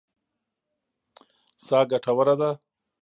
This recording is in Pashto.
سا ګټوره ده.